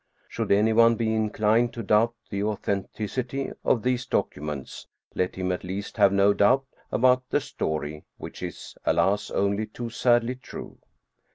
Should anyone be inclined to doubt the authenticity of these documents let him at least have no doubt about the story, which is, alas! only too sadly true.